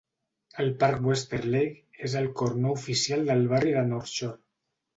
El parc Westerleigh és el cor no oficial del barri de North Shore.